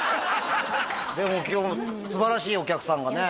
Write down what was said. でも今日もすばらしいお客さんがね